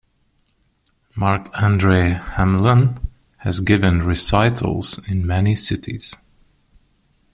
Marc-André Hamelin has given recitals in many cities.